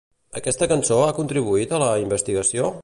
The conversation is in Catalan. Aquesta cançó ha contribuït a la investigació?